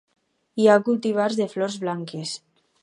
Hi ha cultivars de flors blanques.